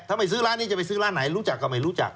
ถ้าไม่ซื้อร้านนี้จะไปซื้อร้านไหนรู้จักก็ไม่รู้จัก